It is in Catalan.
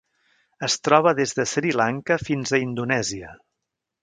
Es troba des de Sri Lanka fins a Indonèsia.